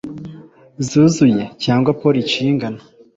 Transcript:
zuzuye cyangwa porici yingano